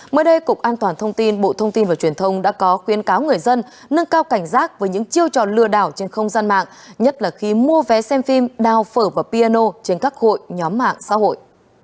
mới đây cục an toàn thông tin bộ thông tin và truyền thông đã có khuyến cáo người dân nâng cao cảnh giác với những chiêu trò lừa đảo trên không gian mạng nhất là khi mua vé xem phim đào phở và piano trên các hội nhóm mạng xã hội